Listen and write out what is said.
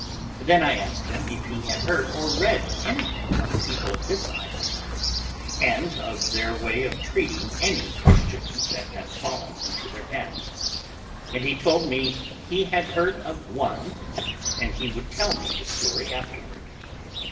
Then I asked him if he had heard or read anything about the people of this island, and of their way of treating any Christians that had fallen into their hands; and he told me he had heard of one, and he would tell me the story afterward.